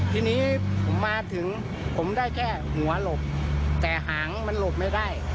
ทีนี้ผมมาถึงผมได้แค่หัวหลบแต่หางมันหลบไม่ได้